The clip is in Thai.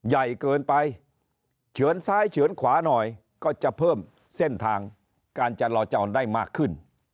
ใหญ่เกินไปเฉือนซ้ายเฉือนขวาหน่อยก็จะเพิ่มเส้นทางการจราจรได้มากขึ้น